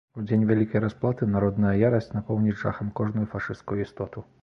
У дзень вялікай расплаты народная ярасць напоўніць жахам кожную фашысцкую істоту.